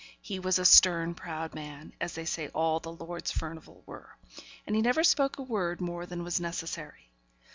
He was a stern, proud man, as they say all the Lords Furnivall were; and he never spoke a word more than was necessary.